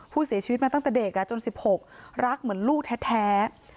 ผู้เสียชีวิตมาตั้งแต่เด็กจน๑๖รักเหมือนลูกแท้